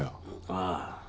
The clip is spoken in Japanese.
ああ。